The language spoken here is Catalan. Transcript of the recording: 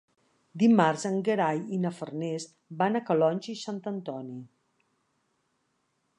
Dimarts en Gerai i na Farners van a Calonge i Sant Antoni.